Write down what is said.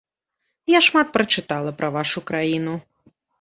Я шмат прачытала пра вашу краіну.